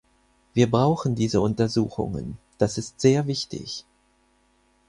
Wir brauchen diese Untersuchungen, das ist sehr wichtig.